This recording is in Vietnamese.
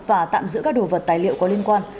và tạm giữ các đồ vật tài liệu có liên quan